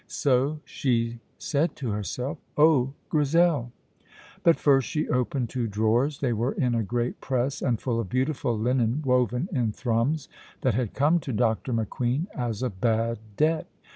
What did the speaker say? So she said to herself. Oh, Grizel! But first she opened two drawers. They were in a great press and full of beautiful linen woven in Thrums, that had come to Dr. McQueen as a "bad debt."